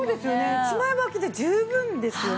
１枚ばきで十分ですよね。